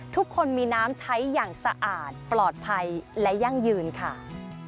ทุกคนมีน้ำใช้อย่างสะอาดปลอดภัยและยั่งยืนค่ะ